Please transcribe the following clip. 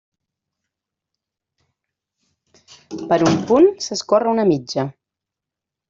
Per un punt, s'escorre una mitja.